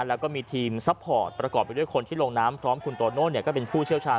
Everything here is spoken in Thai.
แล้วก็มีทีมซัพพอร์ตประกอบไปด้วยคนที่ลงน้ำพร้อมคุณโตโน่ก็เป็นผู้เชี่ยวชาญ